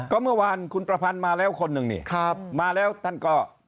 ก็เมื่อวานคุณประพันธ์มาแล้วคนหนึ่งนี่มาแล้วท่านก็